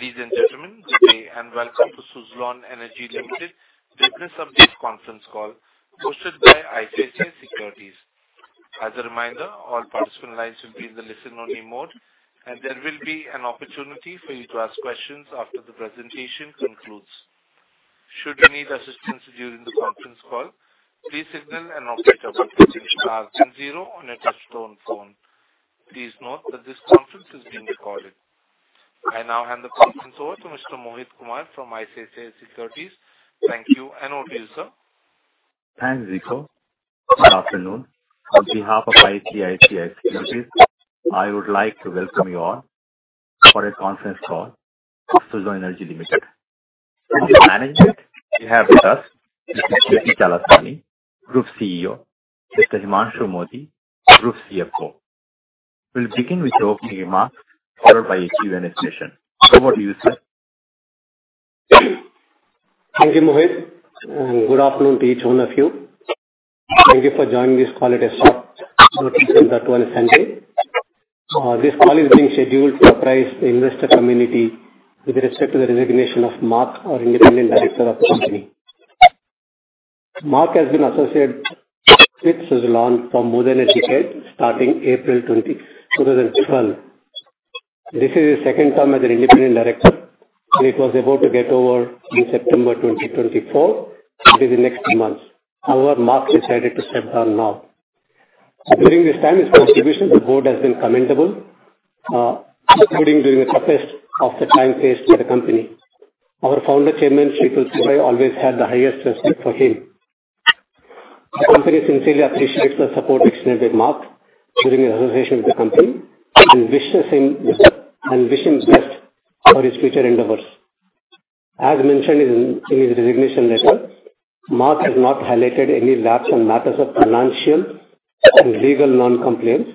Ladies and gentlemen, good day and welcome to Suzlon Energy Limited. This is a business conference call hosted by ICICI Securities. As a reminder, all participant lines will be in the listen-only mode, and there will be an opportunity for you to ask questions after the presentation concludes. Should you need assistance during the conference call, please press star then zero on your touch-tone phone. Please note that this conference is being recorded. I now hand the conference over to Mr. Mohit Kumar from ICICI Securities. Thank you and over, sir. Thank you, Nikhil. Good afternoon. On behalf of ICICI Securities, I would like to welcome you all for a conference call of Suzlon Energy Limited. In the management, we have with us Mr. J.P. Chalasani, Group CEO, Mr. Himanshu Mody, Group CFO. We'll begin with a few remarks followed by a Q&A session. Over to you, sir. Thank you, Mohit. And good afternoon to each one of you. Thank you for joining this call at a short notice in that we're in the same day. This call is being scheduled to apprise the investor community with respect to the resignation of Marc, our independent director of the company. Marc has been associated with Suzlon for more than a decade, starting April 2012. This is his second term as an independent director. It was about to get over in September 2024, which is the next month. However, Marc decided to step down now. During this time, his contribution to the board has been commendable, including during the toughest of the time phase for the company. Our founder chairman, Tulsi Tanti, always had the highest respect for him. The company sincerely appreciates the support extended by Marc during his association with the company and wishes him the best for his future endeavors. As mentioned in his resignation letter, Marc has not highlighted any lapse in matters of financial and legal non-compliance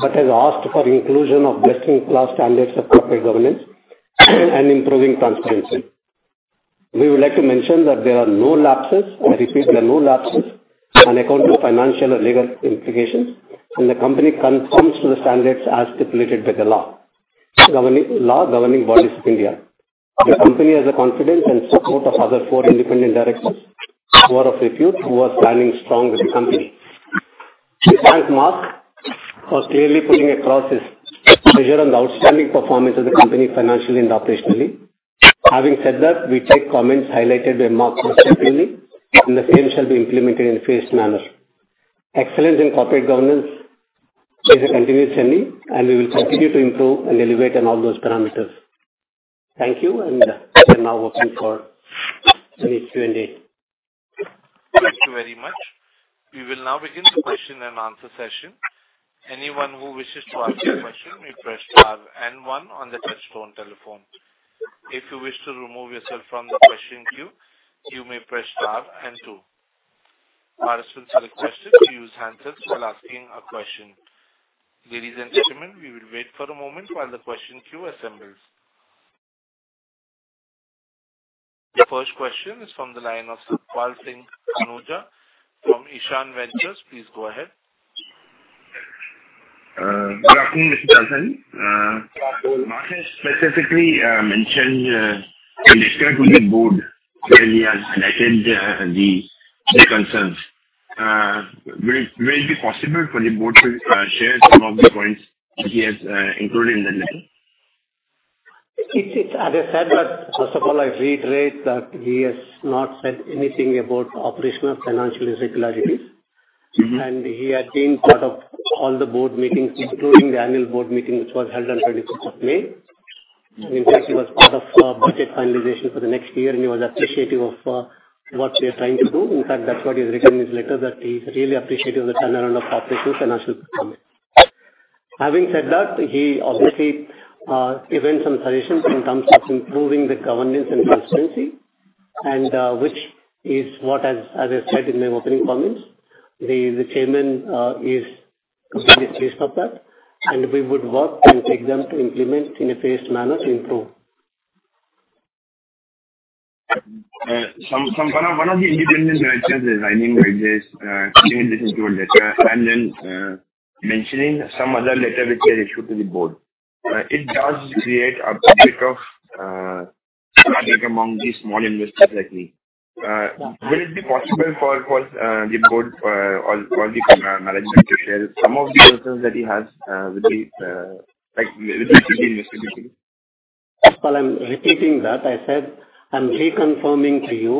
but has asked for inclusion of best-in-class standards of corporate governance and improving transparency. We would like to mention that there are no lapses, I repeat, there are no lapses, on account of financial or legal implications, and the company conforms to the standards as stipulated by the law governing bodies of India. The company has the confidence and support of other four independent directors who are of repute, who are standing strong with the company. We thank Marc for clearly putting across his pleasure on the outstanding performance of the company financially and operationally. Having said that, we take comments highlighted by Marc most openly, and the same shall be implemented in a phased manner. Excellence in corporate governance is a continuous journey, and we will continue to improve and elevate on all those parameters. Thank you, and we are now open for a Q&A. Thank you very much. We will now begin the question-and-answer session. Anyone who wishes to ask a question may press star and one on the touch-tone telephone. If you wish to remove yourself from the question queue, you may press star and two. Participants are requested to use handsets while asking a question. Ladies and gentlemen, we will wait for a moment while the question queue assembles. The first question is from the line of Sarpal Singh Ahuja from Ishan Ventures. Please go ahead. Good afternoon, Mr. Chalasani. Marc has specifically mentioned he will discuss with the board when he has highlighted the concerns. Will it be possible for the board to share some of the points he has included in that letter? It's as I said, but first of all, I reiterate that he has not said anything about operational financial irregularities. He had been part of all the board meetings, including the annual board meeting, which was held on 26th of May. In fact, he was part of budget finalization for the next year, and he was appreciative of what we are trying to do. In fact, that's what he has written in his letter, that he's really appreciative of the turnaround of operational financial performance. Having said that, he obviously given some suggestions in terms of improving the governance and transparency, which is what, as I said in my opening comments, the chairman is completely pleased about. We would work and take them to implement in a phased manner to improve. One of the independent directors is I think including this into a letter and then mentioning some other letter which they issued to the board. It does create a bit of panic among the small investors like me. Will it be possible for the board or the management to share some of the concerns that he has with the investor community? While I'm repeating that, I said I'm reconfirming to you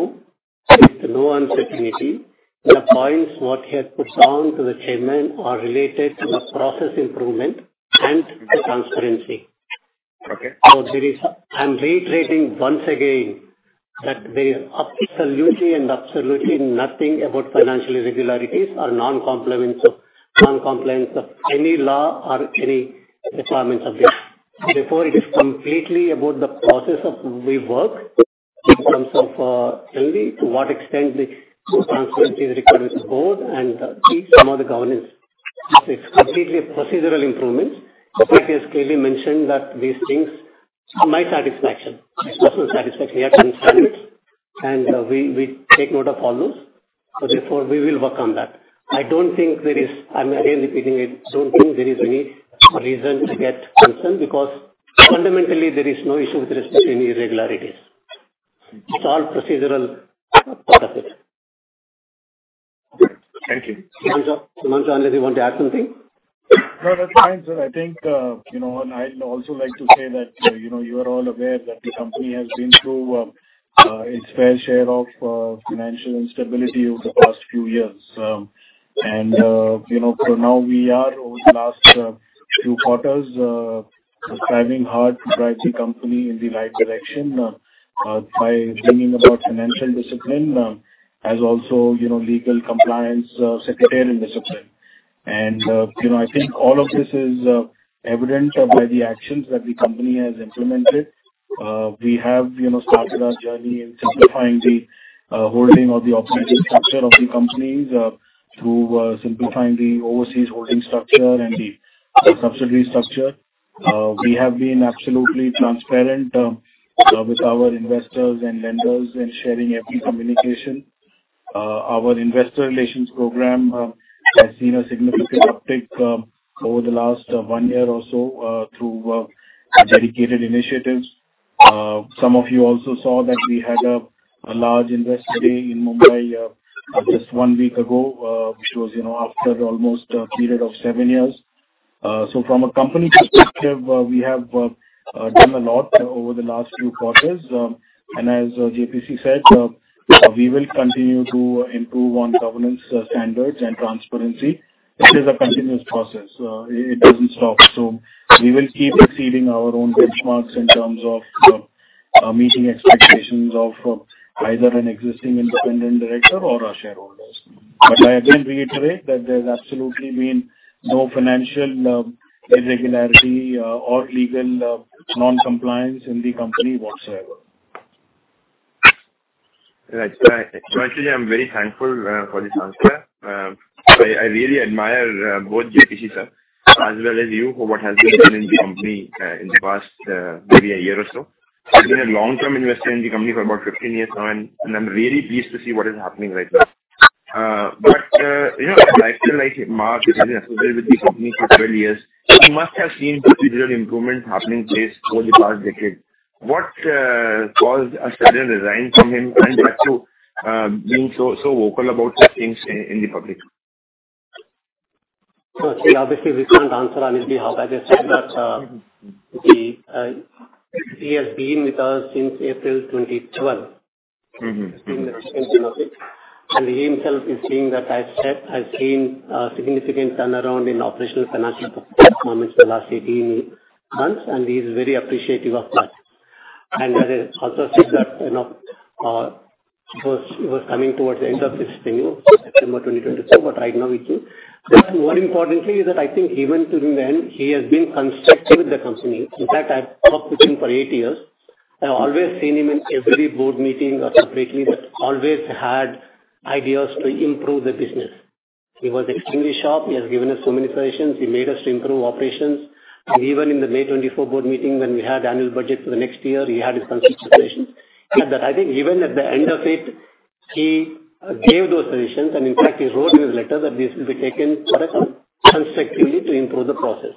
with no uncertainty. The points what he had put down to the chairman are related to the process improvement and transparency. So I'm reiterating once again that there is absolutely and absolutely nothing about financial irregularities or non-compliance of any law or any requirements of this. Therefore, it is completely about the process of we work in terms of only to what extent the transparency is required with the board and some of the governance. It's completely procedural improvements. In fact, he has clearly mentioned that these things to my satisfaction, my personal satisfaction, he had concerns, and we take note of all those. So therefore, we will work on that. I don't think there is. I'm again repeating it. I don't think there is any reason to get concerned because fundamentally, there is no issue with respect to any irregularities. It's all procedural part of it. Thank you. Himanshu, unless you want to add something? No, that's fine, sir. I think I'd also like to say that you are all aware that the company has been through its fair share of financial instability over the past few years. For now, we are, over the last few quarters, striving hard to drive the company in the right direction by bringing about financial discipline as well as legal compliance, secretarial discipline. I think all of this is evident by the actions that the company has implemented. We have started our journey in simplifying the holding of the operating structure of the companies through simplifying the overseas holding structure and the subsidiary structure. We have been absolutely transparent with our investors and lenders and sharing every communication. Our investor relations program has seen a significant uptick over the last one year or so through dedicated initiatives. Some of you also saw that we had a large investor day in Mumbai just one week ago, which was after almost a period of seven years. So from a company perspective, we have done a lot over the last few quarters. And as JPC said, we will continue to improve on governance standards and transparency. It is a continuous process. It doesn't stop. So we will keep exceeding our own benchmarks in terms of meeting expectations of either an existing independent director or our shareholders. But I again reiterate that there's absolutely been no financial irregularity or legal non-compliance in the company whatsoever. Right. So actually, I'm very thankful for this answer. I really admire both JPC, sir, as well as you for what has been done in the company in the past maybe a year or so. I've been a long-term investor in the company for about 15 years now, and I'm really pleased to see what is happening right now. But I feel like Marc has been associated with the company for 12 years. He must have seen procedural improvements happening for the past decade. What caused a sudden resignation from him and back to being so vocal about these things in public? So obviously, we can't answer on his behalf. As I said, he has been with us since April 2012. He's been the second generation. And he himself is seeing that I've seen a significant turnaround in operational financial performance in the last 18 months, and he's very appreciative of that. And as I also said, he was coming towards the end of his tenure, September 2022, but right now, we see. But more importantly is that I think even to the end, he has been constricted with the company. In fact, I've worked with him for 8 years. I've always seen him in every board meeting or separately, but always had ideas to improve the business. He was extremely sharp. He has given us so many suggestions. He made us to improve operations. Even in the 24 May board meeting, when we had annual budget for the next year, he had his consistent suggestions. And I think even at the end of it, he gave those suggestions. And in fact, he wrote in his letter that this will be taken for account constructively to improve the process,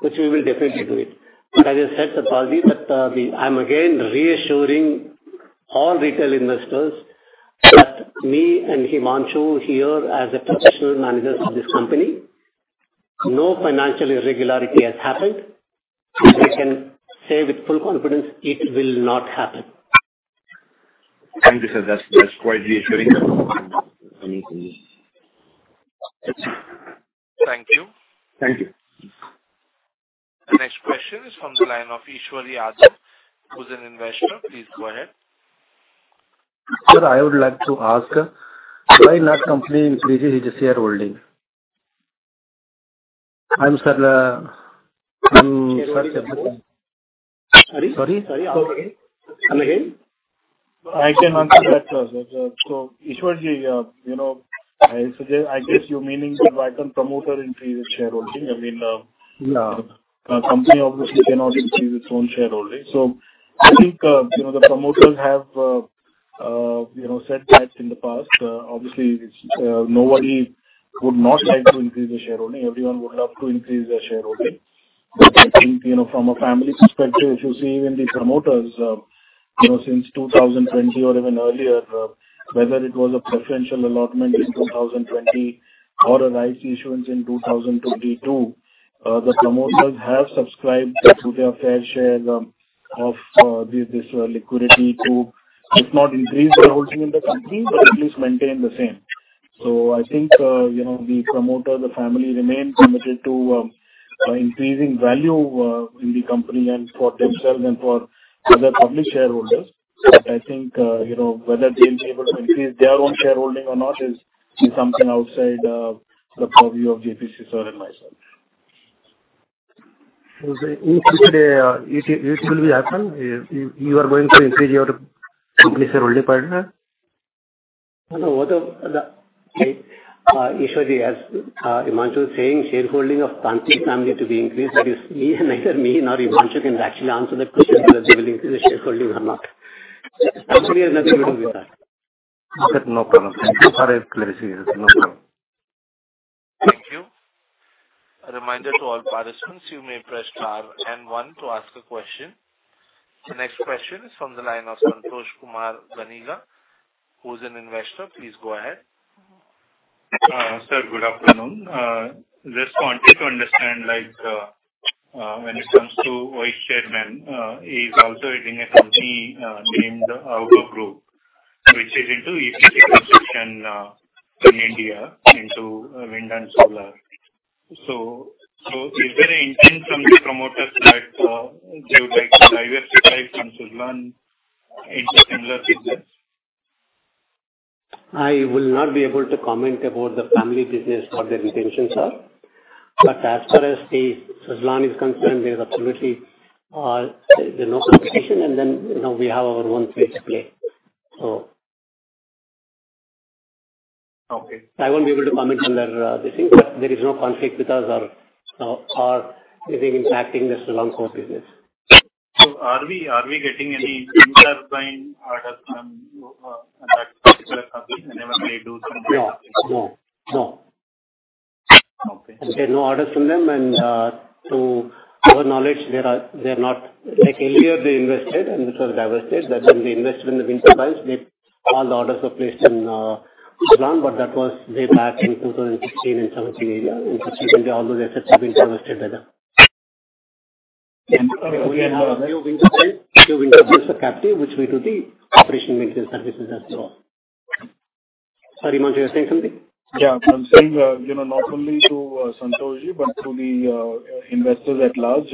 which we will definitely do. But as I said, Sir Paul, that I'm again reassuring all retail investors that me and Himanshu here as the professional managers of this company, no financial irregularity has happened. We can say with full confidence it will not happen. Thank you, sir. That's quite reassuring. Thank you. Thank you. The next question is from the line of Ishwari Adam, who's an investor. Please go ahead. Sir, I would like to ask, why not company increases its shareholding? I'm sorry. Sorry? Sorry? Sorry. I'm again? I can answer that. So Ishwari, I guess you're meaning that why can't promoters increase their shareholding? I mean, a company obviously cannot increase its own shareholding. So I think the promoters have said that in the past. Obviously, nobody would not like to increase their shareholding. Everyone would love to increase their shareholding. But I think from a family perspective, if you see even the promoters since 2020 or even earlier, whether it was a preferential allotment in 2020 or a rights issuance in 2022, the promoters have subscribed to their fair share of this liquidity to, if not increase their holding in the company, but at least maintain the same. So I think the promoters, the family remain committed to increasing value in the company and for themselves and for other public shareholders. But I think whether they'll be able to increase their own shareholding or not is something outside the purview of JPC, sir, and myself. It will happen? You are going to increase your company's shareholding partner? No, Ishwari, as Himanshu was saying, shareholding of Tanti family to be increased, neither me nor Himanshu can actually answer that question whether they will increase the shareholding or not. Himanshu has nothing to do with that. Okay. No problem. Thank you for your clarity. No problem. Thank you. A reminder to all participants, you may press star and one to ask a question. The next question is from the line of Santosh Kumar Ganiga, who's an investor. Please go ahead. Sir, good afternoon. Just wanted to understand when it comes to our chairman, he's also heading a company named O2 Power, which is into EPC construction in India, into wind and solar. So is there an intent from the promoters that they would like to diversify from Suzlon into similar business? I will not be able to comment about the family business, what their intentions are. But as far as the Suzlon is concerned, there's absolutely no competition. And then we have our own way to play. So I won't be able to comment on their things, but there is no conflict with us or anything impacting the Suzlon core business. Are we getting any inside buying orders from that particular company whenever they do something? No. No. No. And there are no orders from them. And to our knowledge, they are not. Earlier they invested and which was divested, but when they invested in the wind turbines, all the orders were placed in Suzlon, but that was way back in 2016 and 2017 era. And since then, all those assets have been divested by them. And we have a few wind turbines for captive, which we do the operation maintenance services as well. Sorry, Himanshu, you're saying something? Yeah. I'm saying not only to Santoshi, but to the investors at large,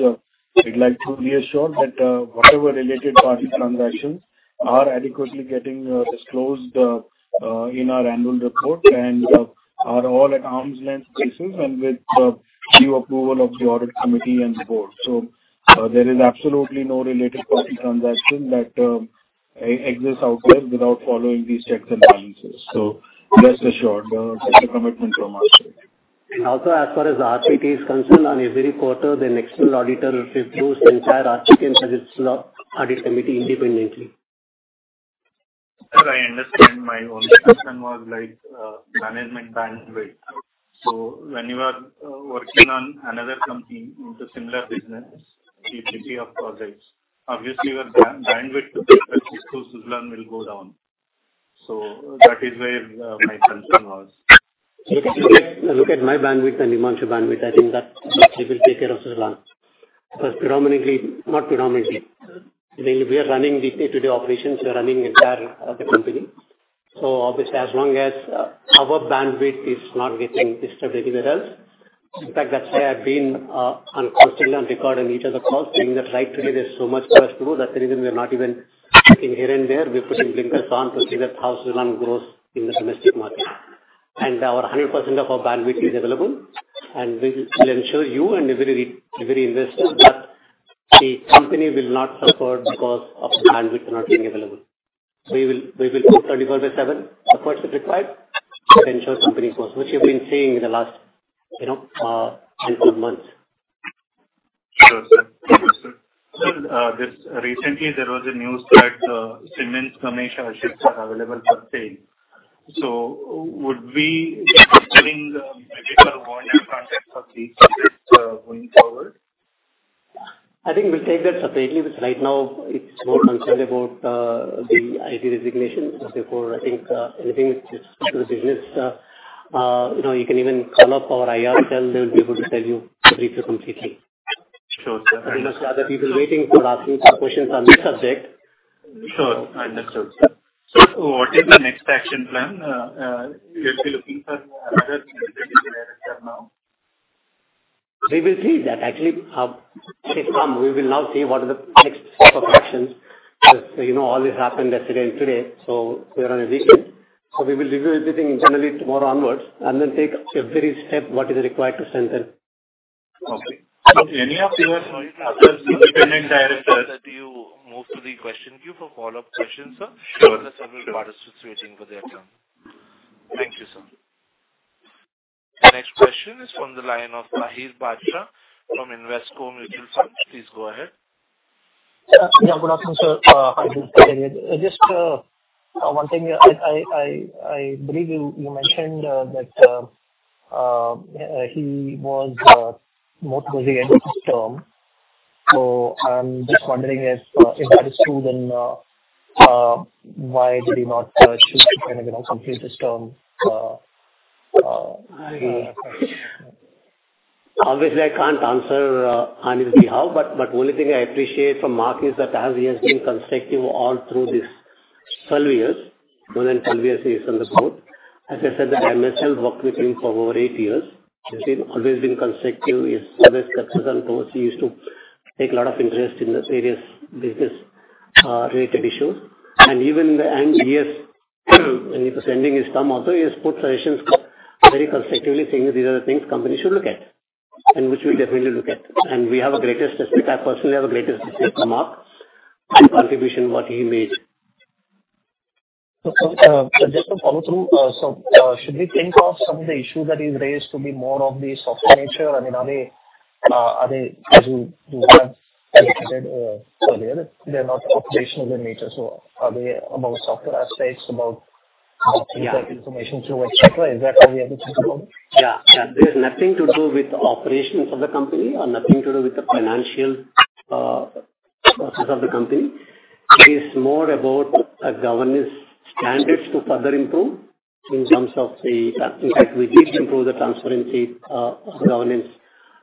we'd like to reassure that whatever related party transactions are adequately getting disclosed in our annual report and are all at arm's length pieces and with the approval of the audit committee and the board. So there is absolutely no related party transaction that exists out there without following these checks and balances. So rest assured, that's a commitment from us. Also, as far as the RPT is concerned, on every quarter, the external auditor reviews the entire RPT and has its audit committee independently. Sir, I understand my only concern was management bandwidth. So when you are working on another company into similar business, it will be a project. Obviously, your bandwidth to take that issue, Suzlon will go down. So that is where my concern was. Look at my bandwidth and Himanshu's bandwidth. I think that they will take care of Suzlon. But predominantly, not predominantly, we are running the day-to-day operations, we are running the entire company. So obviously, as long as our bandwidth is not getting disturbed anywhere else, in fact, that's why I've been constantly on record on each of the calls saying that right today, there's so much for us to do that the reason we are not even looking here and there, we're putting blinkers on to see that how Suzlon grows in the domestic market. And 100% of our bandwidth is available, and we'll ensure you and every investor that the company will not suffer because of the bandwidth not being available. We will do 24x7, whatever is required, to ensure company growth, which we have been seeing in the last handful of months. Sure, sir. Sir, recently, there was a news that Siemens Gamesa assets are available for sale. So would we be getting a bigger volume contract for these going forward? I think we'll take that separately, but right now, it's more concerned about the ID resignation. Therefore, I think anything with the business, you can even call up our IR cell, they will be able to tell you the brief completely. Sure, sir. I think there's other people waiting for asking questions on this subject. Sure. I understood. So what is the next action plan? You'll be looking for another candidate in there as well now? We will see that. Actually, it's come. We will now see what are the next step of actions. Because all this happened yesterday and today, so we're on a weekend. So we will review everything generally tomorrow onwards and then take every step what is required to send them. Okay. Any of your other independent directors that you move to the question queue for follow-up questions, sir? Sure. There are several participating for their turn. Thank you, sir. The next question is from the line of Taher Badshah from Invesco Mutual Fund. Please go ahead. Yeah. Good afternoon, sir. Just one thing. I believe you mentioned that he was most busy at his term. So I'm just wondering if that is true then why did he not choose to kind of complete his term? Obviously, I can't answer on his behalf, but the only thing I appreciate from Marc is that he has been constructive all through these 12 years, more than 12 years he is on the board. As I said, the MSL worked with him for over 8 years. He's always been constructive. He's always focused on those. He used to take a lot of interest in the various business-related issues. And even in the end, yes, when he was ending his term, although he has put suggestions very constructively saying these are the things companies should look at and which we'll definitely look at. And we have a greatest respect. I personally have a greatest respect for Marc and the contribution what he made. Just to follow through, so should we think of some of the issues that he's raised to be more of the software nature? I mean, are they as you have indicated earlier, they're not operational in nature? So are they about software aspects, about information flow, etc.? Is that how we have to think about it? Yeah. Yeah. There's nothing to do with operations of the company or nothing to do with the financial process of the company. It is more about governance standards to further improve in terms of the—in fact, we did improve the transparency of governance,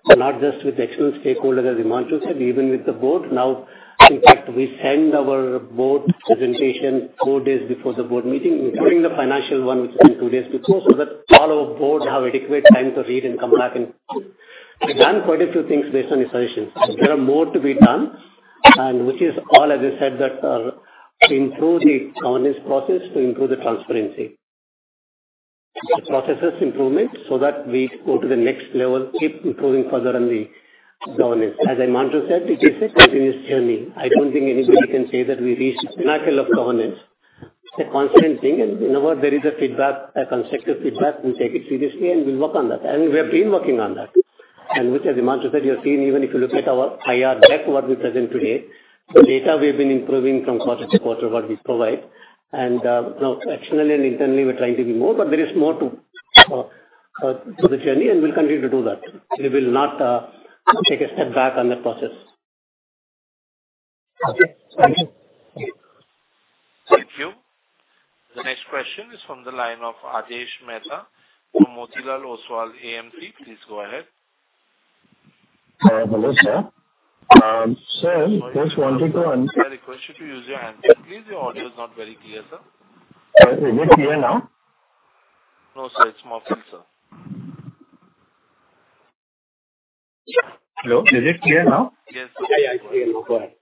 not just with the external stakeholders as Himanshu said, even with the board. Now, in fact, we send our board presentation four days before the board meeting, including the financial one, which is in two days before, so that all our board have adequate time to read and come back and we've done quite a few things based on his suggestions. There are more to be done, which is all, as I said, that to improve the governance process, to improve the transparency, the processes improvement so that we go to the next level, keep improving further on the governance. As Himanshu said, it is a continuous journey. I don't think anybody can say that we reached the pinnacle of governance. It's a constant thing. And whenever there is a feedback, a constructive feedback, we take it seriously and we work on that. And we have been working on that. And which, as Himanshu said, you'll see even if you look at our IR deck, what we present today, the data we have been improving from quarter to quarter what we provide. And externally and internally, we're trying to be more, but there is more to the journey and we'll continue to do that. We will not take a step back on that process. Okay. Thank you. Thank you. The next question is from the line of Ajay Sheth from Motilal Oswal AMC. Please go ahead. Hello, sir. Sir, just wanted to. I request you to use your handset if possible. Your audio is not very clear, sir. Is it clear now? No, sir. It's muffled, sir. Hello? Is it clear now? Yes. Yeah, yeah. Go ahead.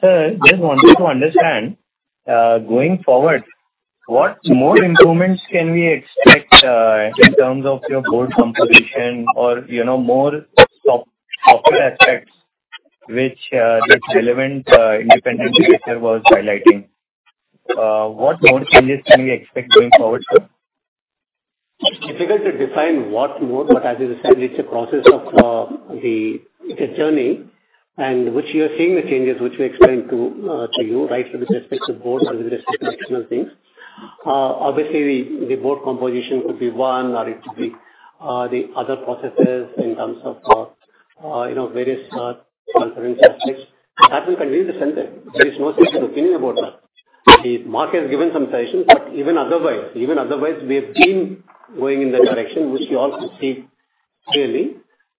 Sir, just wanted to understand going forward, what more improvements can we expect in terms of your board composition or more governance aspects, which this relevant independent director was highlighting? What more changes can we expect going forward? It's difficult to define what more, but as I said, it's a process of the it's a journey. And which you're seeing the changes, which we explained to you, right, with respect to board and with respect to external things. Obviously, the board composition could be one or it could be the other processes in terms of various transferring aspects. That will continue to send there. There is no second opinion about that. The market has given some suggestions, but even otherwise, even otherwise, we have been going in the direction which you all can see clearly.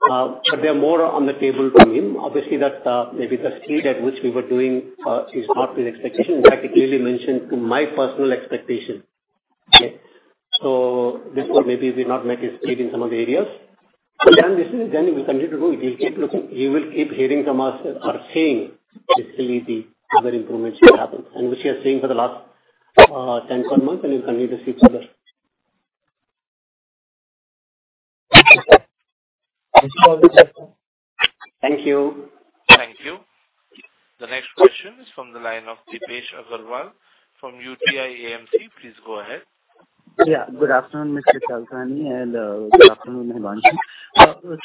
But there are more on the table from him. Obviously, that maybe the speed at which we were doing is not with expectation. In fact, he clearly mentioned to my personal expectation. So this will maybe not meet his speed in some of the areas. But then this is a journey we'll continue to do. You will keep hearing from us or seeing basically the other improvements that happen, and which you are seeing for the last 10, 12 months, and you'll continue to see further. Thank you. Thank you. The next question is from the line of Dipesh Agarwal from UTI AMC. Please go ahead. Yeah. Good afternoon, Mr. Chalasani, and good afternoon, Himanshu.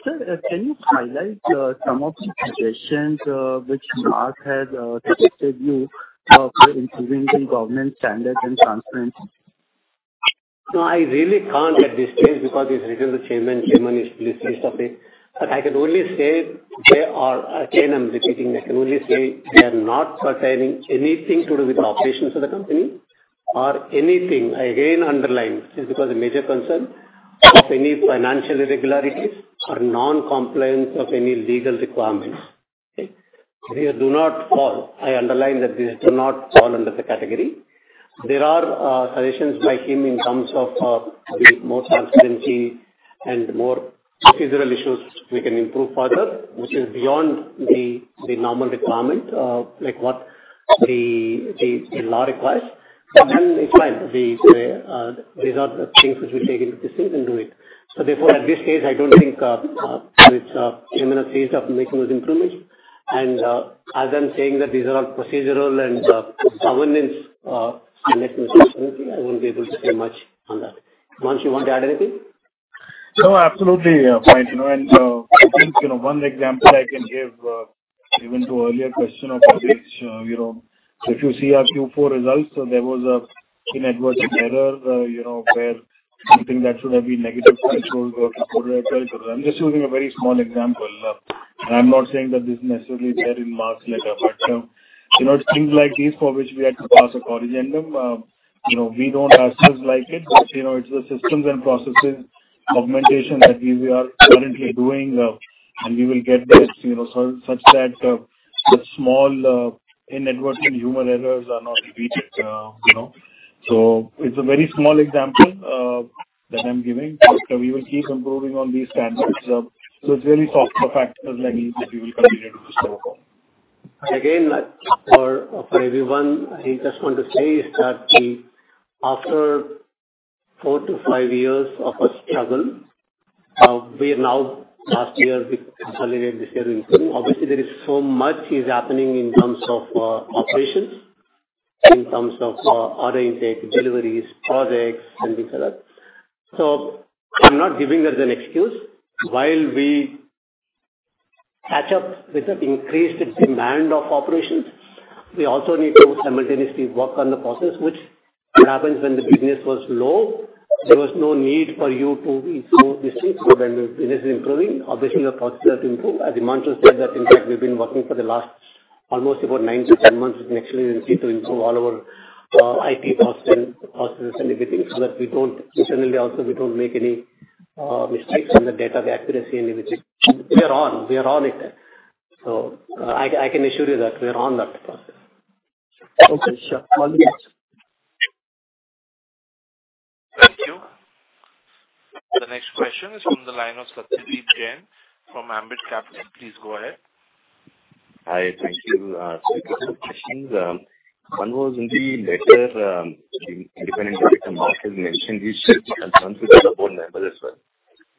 Sir, can you highlight some of the suggestions which Marc has suggested you for improving the governance standards and transparency? No, I really can't at this stage because he's written the chairman, chairman is released off it. But I can only say there are again, I'm repeating, I can only say they are not pertaining anything to do with the operations of the company or anything. Again, underline, this is because the major concern of any financial irregularities or non-compliance of any legal requirements. Okay? These do not fall. I underline that these do not fall under the category. There are suggestions by him in terms of the more transparency and more procedural issues we can improve further, which is beyond the normal requirement, like what the law requires. So then it's fine. These are the things which we'll take into consideration and do it. So therefore, at this stage, I don't think it's a permanent stage of making those improvements. As I'm saying that these are all procedural and governance and ethical transparency, I won't be able to say much on that. Himanshu, you want to add anything? No, absolutely, point. And one example I can give even to earlier question of which if you see our Q4 results, there was a clerical error where something that should have been negative cashflow or reported as well. I'm just using a very small example. I'm not saying that this is necessarily there in Marc's letter, but things like these for which we had to pass a corrigendum; we don't ourselves like it, but it's the systems and processes augmentation that we are currently doing, and we will get there such that the small inadvertent human errors are not repeated. So it's a very small example that I'm giving, but we will keep improving on these standards. So it's really software factors like these that we will continue to push forward. Again, for everyone, I just want to say is that after 4-5 years of our struggle, we are now. Last year we consolidated. This year in Q4. Obviously, there is so much is happening in terms of operations, in terms of order intake, deliveries, projects, and things like that. So I'm not giving that as an excuse. While we catch up with that increased demand of operations, we also need to simultaneously work on the process, which happens when the business was low, there was no need for you to be so distinct when the business is improving. Obviously, the process has to improve. As Himanshu said, that in fact, we've been working for the last almost about 9-10 months, we've been actually in a seat to improve all our IT processes and everything so that we don't internally also, we don't make any mistakes in the data, the accuracy, and everything. We are on. We are on it. So I can assure you that we are on that process. Okay. Sure. All the best. Thank you. The next question is from the line of Satyadeep Jain from Ambit Capital. Please go ahead. Hi. Thank you, Satyadeep. One was in the letter the independent director Marc has mentioned his concerns with the board members as well.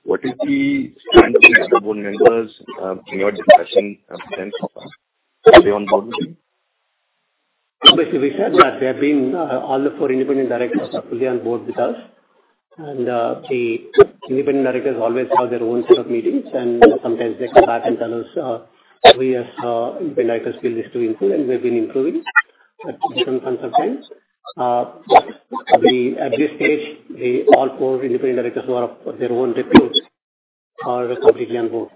What is the standpoint of the board members in your discussion since they are on board with you? Basically, we said that they have been all the four independent directors are fully on board with us. And the independent directors always have their own set of meetings, and sometimes they come back and tell us, "We as independent directors feel this to be improved," and we've been improving. But sometimes of times, at this stage, all four independent directors who are of their own repute are completely on board.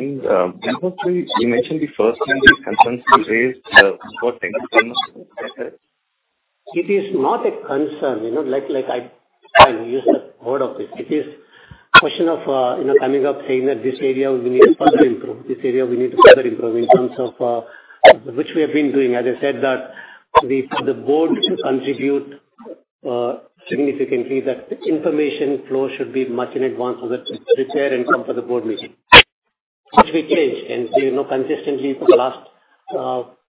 You mentioned the first thing, your concerns you raised. What things? It is not a concern. Like I used the word of this. It is a question of coming up saying that this area we need further improve. This area we need to further improve in terms of which we have been doing. As I said, that the board contributes significantly, that the information flow should be much in advance of the prep and come for the board meeting, which we changed. Consistently for the last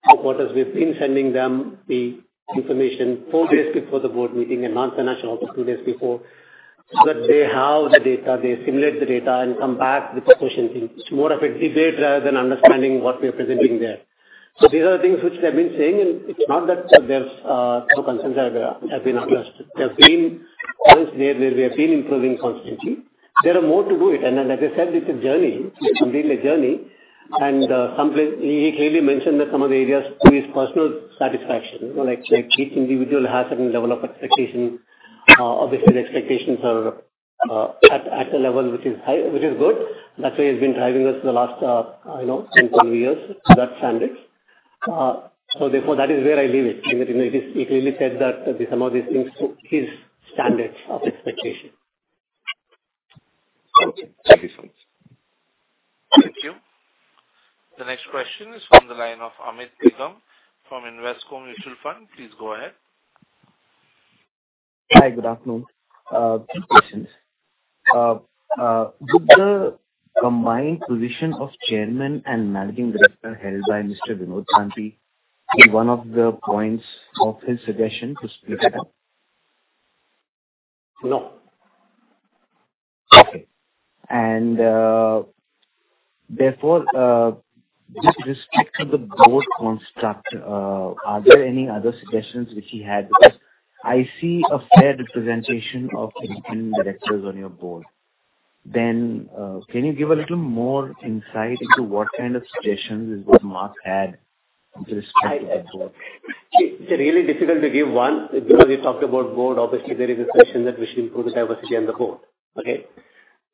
two quarters, we've been sending them the information four days before the board meeting and non-financial also two days before so that they have the data, they simulate the data, and come back with the questions. It's more of a debate rather than understanding what we are presenting there. So these are the things which they have been saying, and it's not that there's no concerns that have been addressed. There have been points there where we have been improving constantly. There are more to do it. As I said, it's a journey. It's completely a journey. He clearly mentioned that some of the areas to his personal satisfaction, like each individual has a level of expectation. Obviously, the expectations are at a level which is good. That's why he has been driving us the last 10, 12 years to that standard. Therefore, that is where I leave it. He clearly said that some of these things to his standards of expectation. Okay. Thank you so much. Thank you. The next question is from the line of Amit Nigam from Invesco Mutual Fund. Please go ahead. Hi. Good afternoon. Questions. Would the combined position of chairman and managing director held by Mr. Vinod Tanti be one of the points of his suggestion to speak at? No. Okay. And therefore, with respect to the board construct, are there any other suggestions which he had? Because I see a fair representation of independent directors on your board. Then can you give a little more insight into what kind of suggestions Marc had with respect to the board? It's really difficult to give one because you talked about board. Obviously, there is a suggestion that we should improve the diversity on the board. Okay?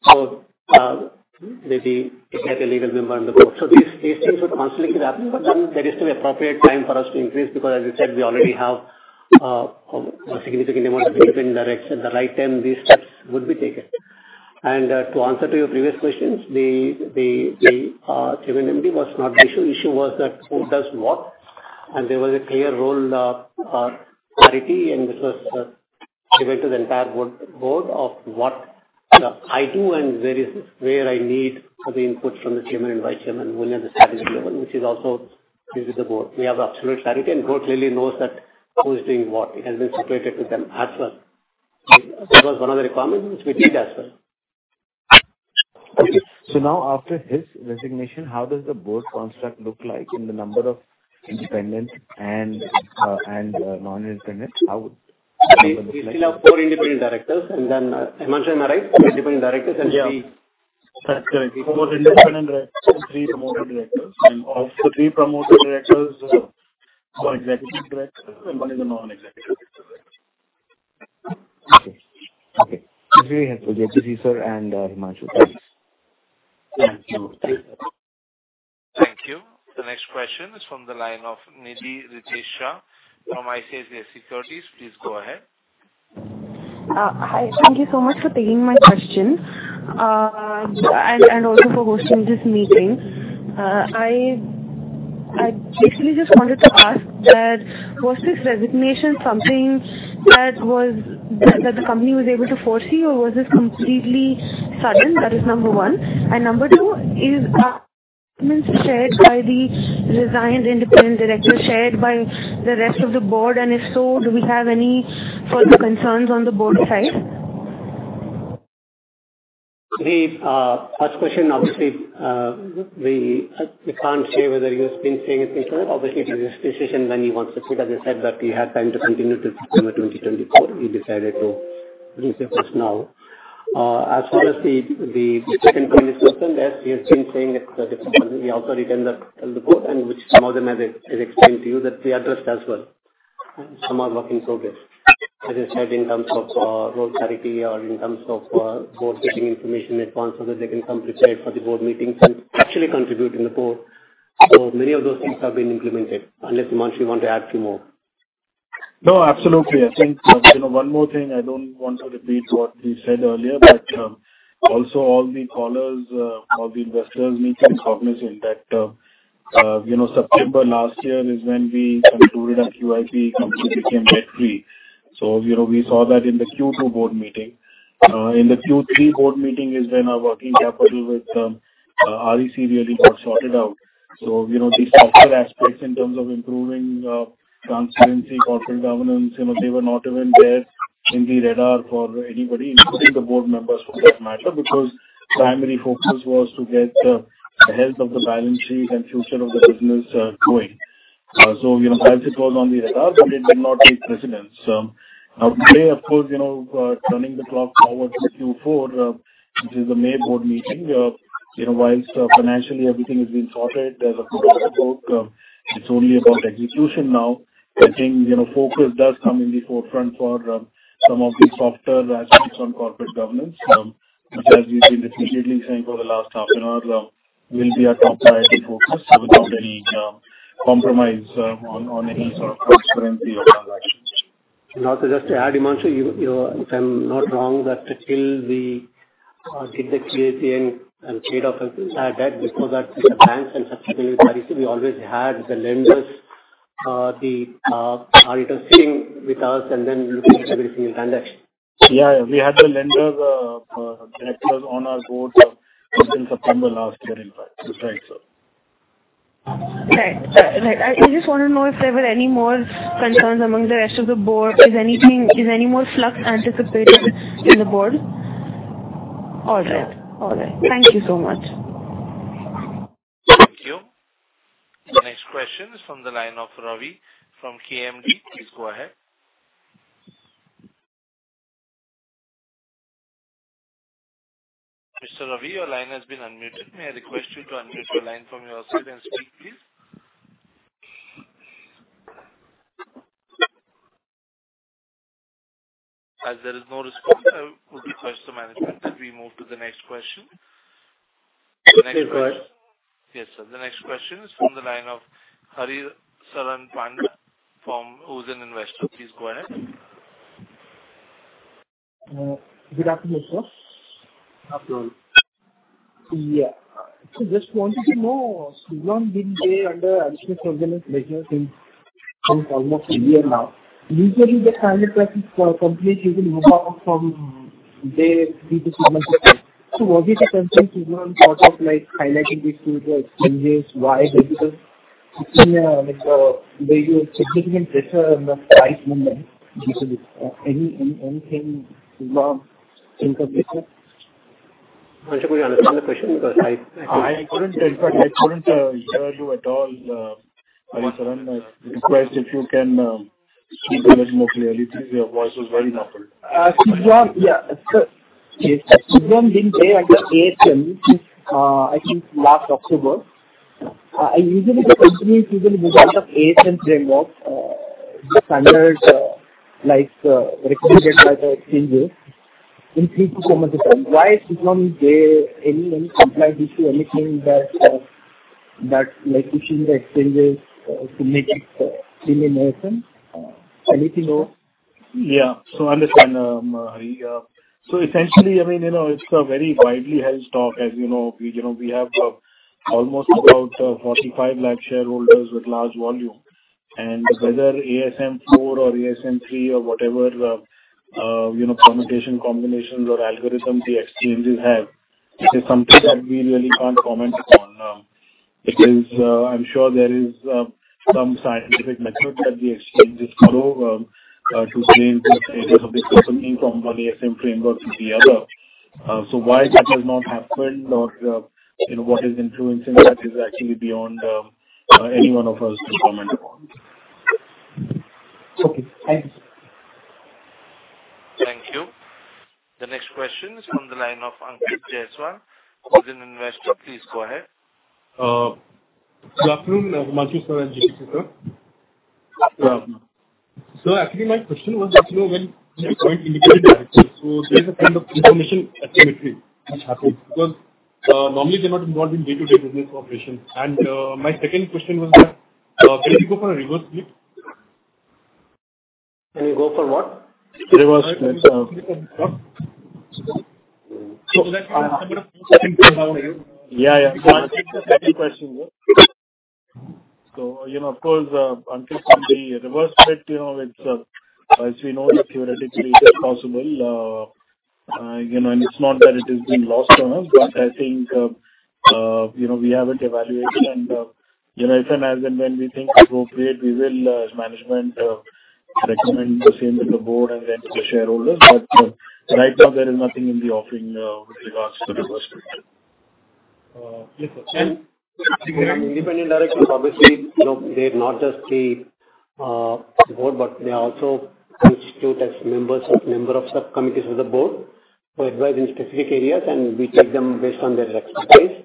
So maybe he had a legal member on the board. So these things would constantly keep happening, but then there is still appropriate time for us to increase because, as I said, we already have a significant amount of independent directors. At the right time, these steps would be taken. And to answer to your previous questions, the chairman MD was not the issue. The issue was that who does what. And there was a clear role clarity, and this was given to the entire board of what I do and where I need the input from the chairman and vice chairman, whoever the strategy level, which is also with the board. We have absolute clarity, and the board clearly knows that who is doing what. It has been situated with them as well. That was one of the requirements, which we did as well. Okay. So now, after his resignation, how does the board construct look like in the number of independent and non-independent? How would it look like? We still have four independent directors, and then Himanshu and I right? Four independent directors and three. Yeah. That's correct. Four independent directors, three promoted directors. And of the three promoted directors, four executive directors, and one is a non-executive director. Okay. Okay. That's very helpful. J.P., sir, and Himanshu, thanks. Thank you. Thank you. The next question is from the line of Nidhi Ritesha from ICICI Securities. Please go ahead. Hi. Thank you so much for taking my question and also for hosting this meeting. I basically just wanted to ask that was this resignation something that the company was able to foresee, or was this completely sudden? That is number one. And number two is, are comments shared by the resigned independent director, shared by the rest of the board? And if so, do we have any further concerns on the board's side? The first question, obviously, we can't say whether he has been saying anything further. Obviously, it is his decision when he wants to quit. As I said, that he had time to continue to perform in 2024. He decided to resurface now. As far as the second point is concerned, yes, he has been saying that he also returned the board, and which some of them, as I explained to you, that we addressed as well. Some are work in progress, as I said, in terms of role clarity or in terms of board getting information in advance so that they can come prepared for the board meetings and actually contribute in the board. So many of those things have been implemented, unless Himanshu want to add a few more. No, absolutely. I think one more thing. I don't want to repeat what we said earlier, but also all the callers, all the investors need to be cognizant that September last year is when we concluded our QIP, it became debt-free. So we saw that in the Q2 board meeting. In the Q3 board meeting is when our working capital with REC really got sorted out. So these structural aspects in terms of improving transparency, corporate governance, they were not even there in the radar for anybody, including the board members for that matter, because the primary focus was to get the health of the balance sheet and future of the business going. So that's what was on the radar, but it did not take precedence. Now, today, of course, turning the clock forward to Q4, which is the May board meeting, while financially everything has been sorted, there's a good bit of work. It's only about execution now. I think focus does come in the forefront for some of these softer aspects on corporate governance, which, as we've been repeatedly saying for the last half an hour, will be our top priority focus without any compromise on any sort of transparency or transactions. Also, just to add, Himanshu, if I'm not wrong, that until we did the QIP and paid off that debt before that with the banks and subsequently with REC, we always had the lenders or the auditors sitting with us and then looking at every single transaction. Yeah. We had the lender directors on our board since September last year, in fact. That's right, sir. Okay. I just want to know if there were any more concerns among the rest of the board. Is any more flux anticipated in the board? All right. All right. Thank you so much. Thank you. The next question is from the line of Ravi from KMD. Please go ahead. Mr. Ravi, your line has been unmuted. May I request you to unmute your line from your side and speak, please? As there is no response, I would request the management that we move to the next question. Next question. Yes, sir. The next question is from the line of Hari Saran Pandit from who's an Investor. Please go ahead. Good afternoon, sir. Afternoon. Yeah. So just wanted to know, Suzlon been there under additional surveillance measures since almost a year now. Usually, the climate crisis companies usually move out from there due to climate crisis. So was it a concern to you on sort of highlighting these two exchanges? Why? Because it seems like there is significant pressure on the price movement. Anything to think of later? I wanted to understand the question because I couldn't hear you at all, Hari Sarand. I request if you can speak a little more clearly. Your voice was very muffled. Suzlon, yeah. Suzlon been there at the ASM since I think last October. And usually, the companies usually move out of ASM framework, standards recommended by the exchanges in Q2 comments. Why is Suzlon there? Any compliance issue? Any issues in the exchanges to make it stay in ASM? Anything else? Yeah. So I understand, Hari. So essentially, I mean, it's a very widely held talk, as you know. We have almost about 4,500,000 shareholders with large volume. And whether ASM4 or ASM3 or whatever permutation combinations or algorithm the exchanges have, it is something that we really can't comment on. I'm sure there is some scientific method that the exchanges follow to change the status of the company from one ASM framework to the other. So why that has not happened or what is influencing that is actually beyond any one of us to comment upon. Okay. Thank you. Thank you. The next question is from the line of Ankit Jaiswal, who's an Investor. Please go ahead. Good afternoon. Himanshu, sir, and JPC, sir. So actually, my question was when the point indicated that it was so there is a kind of information asymmetry which happens because normally they're not involved in day-to-day business operations. And my second question was that can we go for a reverse split? Can we go for what? Reverse split. That's why I'm somewhat of a hesitant to allow you. Yeah, yeah. Second question, sir. So of course, Ankit said the reverse split, as we know, theoretically it is possible. It's not that it has been lost on us, but I think we haven't evaluated. If and as and when we think appropriate, we will. Management recommend the same to the board and then to the shareholders. But right now, there is nothing in the offering with regards to reverse split. Yes, sir. Independent directors, obviously, they're not just the board, but they are also instituted as members of subcommittees of the board who advise in specific areas, and we take them based on their expertise.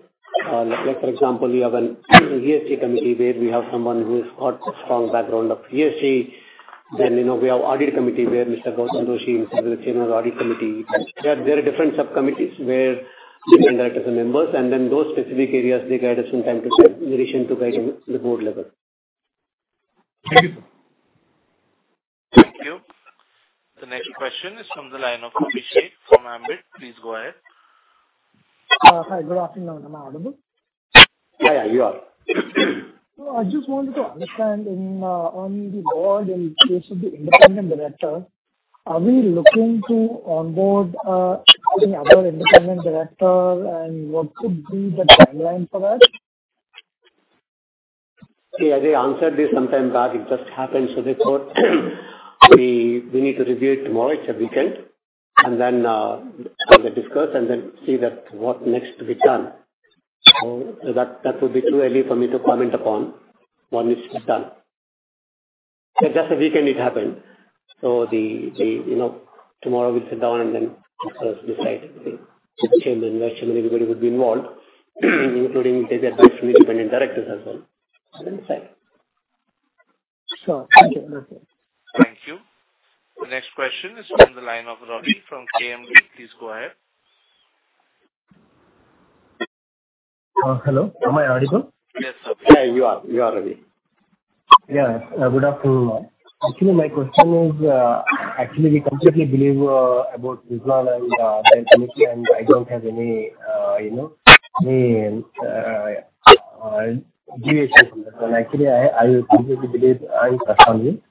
For example, we have an ESG committee where we have someone who has got a strong background of ESG. Then we have an audit committee where Mr. Gautam Doshi is the chairman of the audit committee. There are different subcommittees where independent directors are members. And then those specific areas, they get some time to take in addition to guiding the board level. Thank you, sir. Thank you. The next question is from the line of Ravi from Ambit. Please go ahead. Hi. Good afternoon. Am I audible? Yeah, yeah. You are. I just wanted to understand on the board in case of the independent director, are we looking to onboard any other independent director, and what would be the timeline for that? See, as I answered this some time back, it just happened. So therefore, we need to review it tomorrow, which is a weekend, and then discuss and then see what next to be done. So that would be too early for me to comment upon once it's done. But just a weekend, it happened. So tomorrow, we'll sit down and then decide if chairman, vice chairman, everybody would be involved, including the advice from independent directors as well. And then decide. Sure. Thank you. Thank you. The next question is from the line of Ravi from KMD. Please go ahead. Hello. Am I audible? Yes, sir. Yeah, you are. You are ready. Yeah. Good afternoon, sir. Actually, my question is actually, we completely believe about Suzlon and their committee, and I don't have any deviation from that. And actually, I completely believe and trust on you.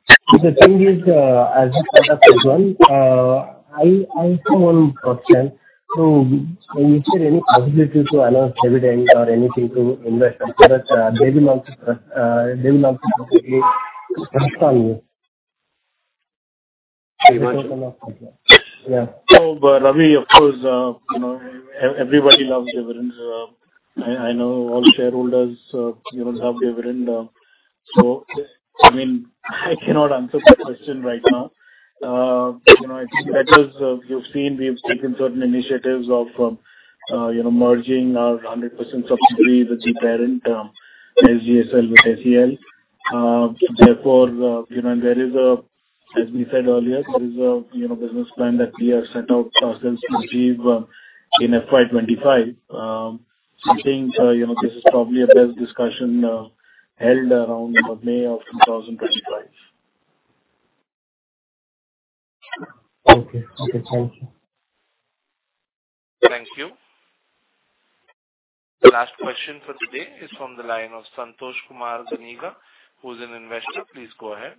The thing is, as you said of Suzlon, I have one question. So when you said any possibility to announce dividend or anything to investors, they will also completely trust on you. Pretty much. Yeah. So, Ravi, of course, everybody loves dividends. I know all shareholders love dividends. So, I mean, I cannot answer that question right now. I think that as you've seen we've taken certain initiatives of merging our 100% subsidiary with the parent SGSL with SEL. Therefore, there is a, as we said earlier, there is a business plan that we have set out ourselves to achieve in FY 2025. I think this is probably a best discussion held around May of 2025. Okay. Okay. Thank you. Thank you. The last question for today is from the line of Santosh Kumar Ganiga, who is an investor. Please go ahead.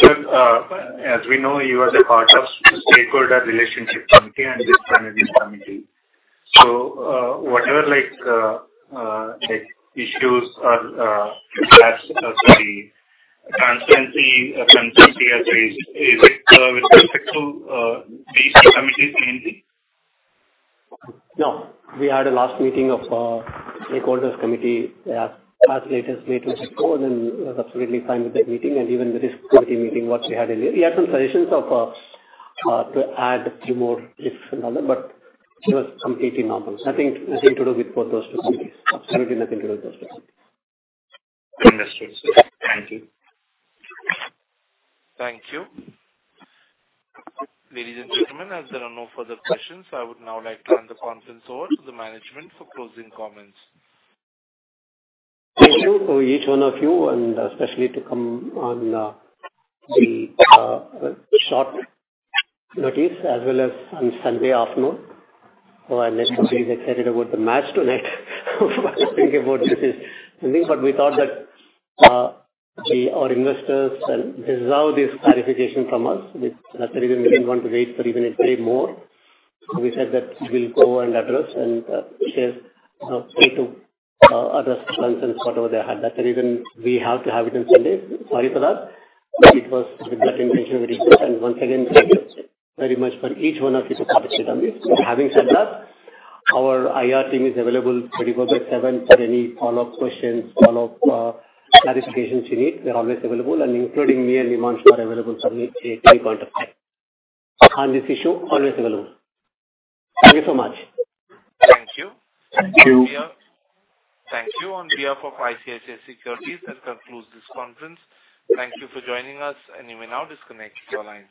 Sir, as we know, you are the part of the stakeholder relationship committee and this planning committee. So whatever issues or gaps or the transparency concerns you have raised, is it with respect to these committees mainly? No. We had a last meeting of stakeholders' committee as late as May 24, and then I was absolutely fine with that meeting. Even with this committee meeting, what we had earlier, we had some suggestions to add a few more risks and others, but it was completely normal. Nothing to do with both those two committees. Absolutely nothing to do with those two committees. Understood. Thank you. Thank you. Ladies and gentlemen, as there are no further questions, I would now like to hand the conference over to the management for closing comments. Thank you to each one of you, and especially to come on the short notice as well as on Sunday afternoon. So I know everybody's excited about the match tonight. But I think this is something, but we thought that our investors deserve this clarification from us. That's the reason we didn't want to wait for even a day more. So we said that we'll go and address and say to address concerns, whatever they had. That's the reason we have to have it on Sunday. Sorry for that. It was with that intention we did this. And once again, thank you very much for each one of you to participate on this. Having said that, our IR team is available 24/7 for any follow-up questions, follow-up clarifications you need. They're always available. And including me and Himanshu are available from any point of time. On this issue, always available. Thank you so much. Thank you. Thank you. Thank you. And we have of ICICI Securities that concludes this conference. Thank you for joining us, and you may now disconnect your lines.